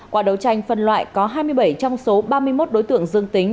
qua đấu tranh phân loại có hai mươi bảy trong số ba mươi một đối tượng dương tính